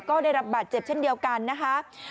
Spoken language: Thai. ก็ได้รับบาดเจ็บเช่นเดียวกันนะคะ